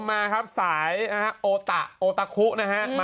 มาครับสายโอตาโอตาคู้นะฮะ